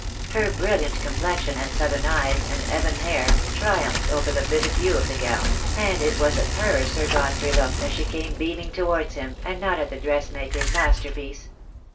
Her brilliant complexion and southern eyes and ebon hair triumphed over the vivid hue of the gown, and it Avas at her Sir Godfrey looked as she came beaming to wards him, and not at the dressmaker's master piece.